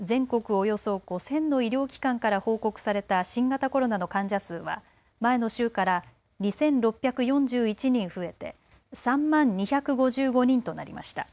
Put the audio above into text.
およそ５０００の医療機関から報告された新型コロナの患者数は前の週から２６４１人増えて３万２５５人となりました。